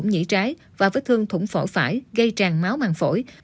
nhĩ trái và vết thương thủng phổi phải gây tràn máu màng phổi